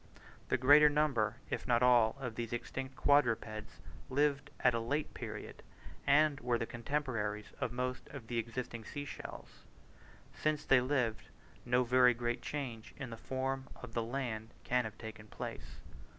The greater number, if not all, of these extinct quadrupeds lived at a late period, and were the contemporaries of most of the existing sea shells. Since they lived, no very great change in the form of the land can have taken place.